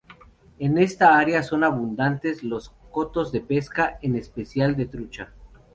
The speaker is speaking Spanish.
En esta área son abundantes los cotos de pesca, en especial de trucha.